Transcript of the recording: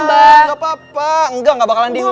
gak apa apa gak bakalan dihukum